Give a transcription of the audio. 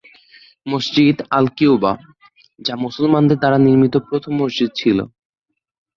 মসজিদ আল-কিউবা, যা মুসলমানদের দ্বারা নির্মিত প্রথম মসজিদ ছিল।